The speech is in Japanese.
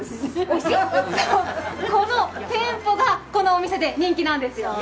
このてんぽがこのお店で人気なんですよね。